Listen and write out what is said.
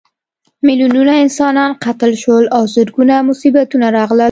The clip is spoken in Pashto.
میلیونونه انسانان قتل شول او زرګونه مصیبتونه راغلل.